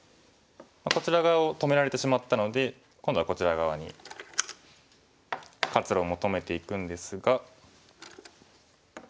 こちら側を止められてしまったので今度はこちら側に活路を求めていくんですが。